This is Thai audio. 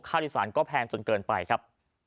สารก็แพงจนเกินไปครับ